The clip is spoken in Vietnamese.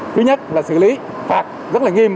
thứ nhất là xử lý phạt rất là nghiêm